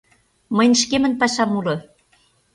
— Мыйын шкемын пашам уло.